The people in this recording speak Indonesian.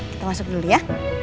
kita masuk dulu ya